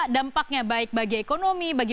dampaknya baik bagi ekonomi bagi